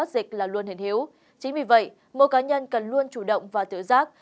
dịch là luôn hiện hiếu chính vì vậy mỗi cá nhân cần luôn chủ động và tự giác